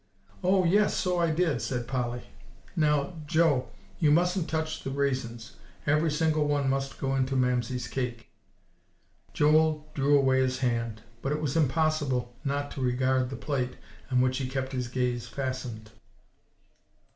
"Oh, yes, so I did!" said Polly; "now, Joe, you mustn't touch the raisins. Every single one must go into Mamsie's cake." Joel drew away his hand; but it was impossible not to regard the plate, on which he kept his gaze fastened.